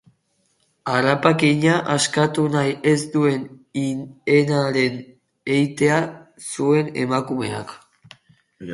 Harrapakina askatu nahi ez duen hienaren eitea zuen emakumeak.